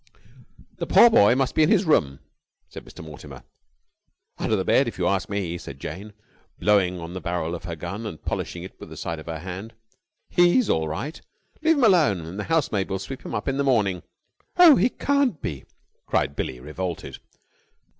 "The poor boy must be in his room," said Mr. Mortimer. "Under the bed, if you ask me," said Jane, blowing on the barrel of her gun and polishing it with the side of her hand. "He's all right! Leave him alone, and the housemaid will sweep him up in the morning." "Oh, he can't be!" cried Billie, revolted.